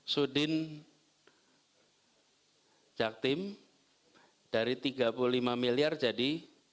sudin jaktim dari tiga puluh lima miliar jadi